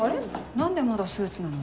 何でまだスーツなの？